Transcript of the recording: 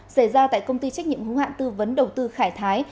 xảy ra tại công ty trách nhiệm hữu hạn tư vấn đầu tư khải thái